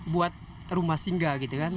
buat rumah singgah gitu kan